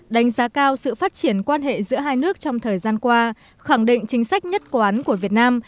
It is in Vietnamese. đánh giá cao sự phát triển quan hệ giữa hai nước trong thời gian qua khẳng định chính sách nhất quán của việt nam